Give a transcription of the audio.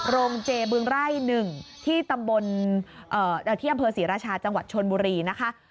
โรงเจบึงไร่๑ที่ตำบลที่อำเภอศรีราชาจังหวัดชนบุรีนะคะ